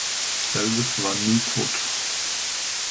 Elvis war nie tot.